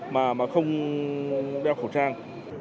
mà mà không đeo khẩu trang